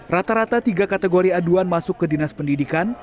rata rata tiga kategori aduan masuk ke dinas pendidikan